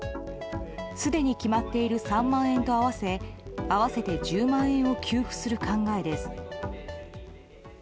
すでに決まっている３万円と合わせ合わせて１０万円を給付する考えです。